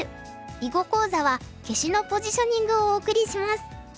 囲碁講座は「消しのポジショニング」をお送りします。